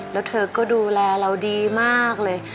แล้วเธอก็ดูแลเราดีมากเลย